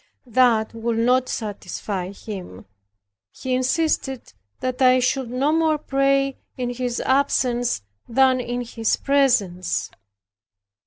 That would not satisfy him; he insisted that I should no more pray in his absence than in his presence.